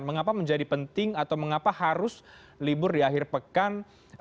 mengapa menjadi penting atau mengapa harus libur di akhir pekan